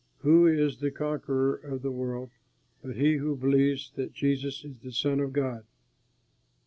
Who is the conqueror of the world but he who believes that Jesus is the Son of God?